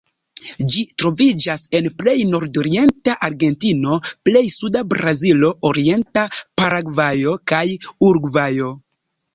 Ĝi troviĝas en plej nordorienta Argentino, plej suda Brazilo, orienta Paragvajo kaj Urugvajo.